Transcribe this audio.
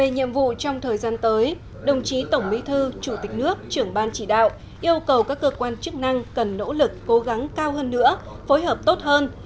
nhiệm vụ trong thời gian tới đồng chí tổng bí thư chủ tịch nước trưởng ban chỉ đạo yêu cầu các cơ quan chức năng cần nỗ lực cố gắng cao hơn nữa phối hợp tốt hơn